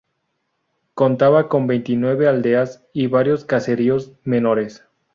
Contaba con veintinueve aldeas y varios caseríos menores.